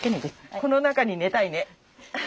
この中に寝たいね。